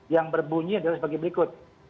yang berbunyi adalah sebagai berikut